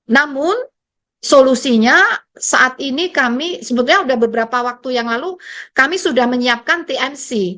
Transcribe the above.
namun solusinya saat ini kami sebetulnya sudah beberapa waktu yang lalu kami sudah menyiapkan tmc